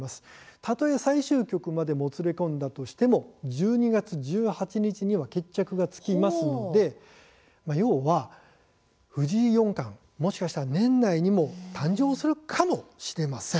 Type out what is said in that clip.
たとえ、最終局までもつれ込んだとしても１２月１８日には決着がつきますので藤井四冠、もしかしたら年内にも誕生するかもしれません。